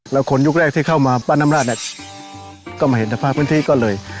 แล้วคนยุคแรกที่เข้ามาปั้นน้ำราชเนี่ยก็มาเห็นสภาพพื้นที่ก็เลย